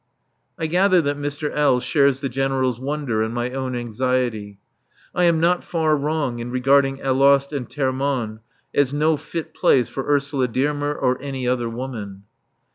I gather that Mr. L. shares the General's wonder and my own anxiety. I am not far wrong in regarding Alost and Termonde as no fit place for Ursula Dearmer or any other woman.